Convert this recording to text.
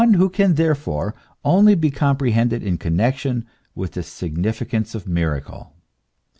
man, and who can therefore only be comprehended in connec tion with the significance of miracle.